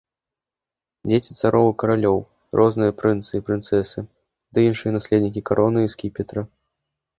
Дзеці цароў і каралёў, розныя прынцы і прынцэсы ды іншыя наследнікі кароны і скіпетра.